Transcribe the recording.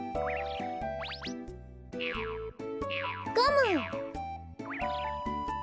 ゴム！